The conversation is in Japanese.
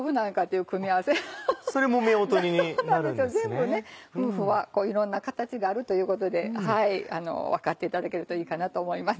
全部ね夫婦はいろんな形があるということで分かっていただけるといいかなと思います。